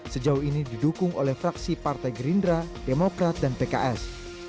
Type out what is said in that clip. sejauh ini didukung oleh fraksi partai gerindra demokrat dan pks